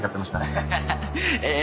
ハハハえ